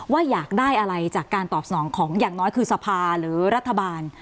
อยากได้อะไรจากการตอบสนองของอย่างน้อยคือสภาหรือรัฐบาล